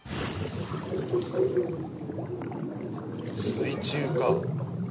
水中か。